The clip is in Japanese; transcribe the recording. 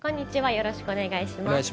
よろしくお願いします。